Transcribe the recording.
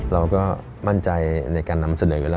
เราก็มั่นใจในการนำเสนอแล้ว